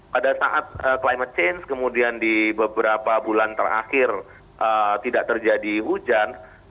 pada saat climate change kemudian di beberapa bulan terakhir tidak terjadi hujan